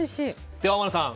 で天野さん